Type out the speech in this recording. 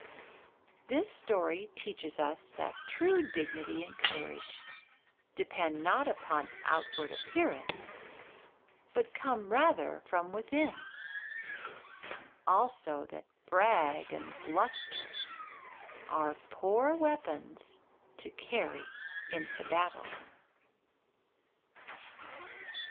This story teaches us that true dignity and courage depend not upon outward appearance, but come rather from within; also that brag and bluster are poor weapons to carry into battle.